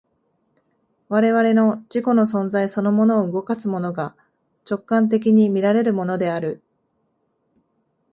我々の自己の存在そのものを動かすものが、直観的に見られるものである。